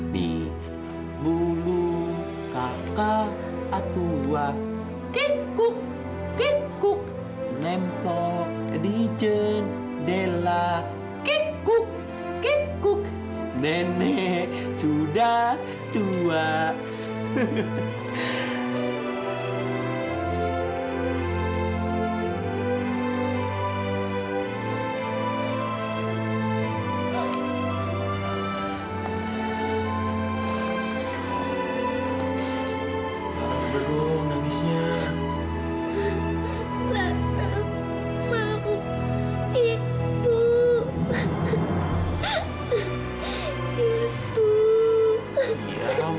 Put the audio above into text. biarin aja hilang